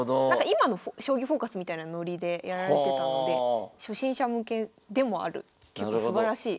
今の「将棋フォーカス」みたいなノリでやられてたので初心者向けでもある結構すばらしい。